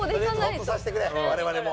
ホッとさせてくれ我々も。